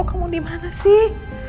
kamu dimana sih